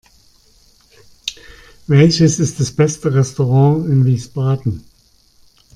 Welches ist das beste Restaurant in Wiesbaden?